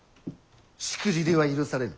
しくじりは許されぬ。